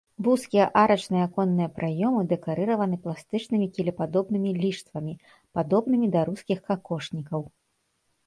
Вузкія арачныя аконныя праёмы дэкарыраваны пластычнымі кілепадобнымі ліштвамі, падобнымі да рускіх какошнікаў.